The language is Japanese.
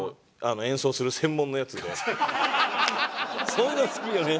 そういうの好きよね。